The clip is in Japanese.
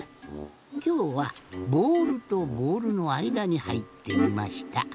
きょうはボールとボールのあいだにはいってみました。